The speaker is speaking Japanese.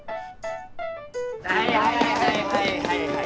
はいはいはいはい。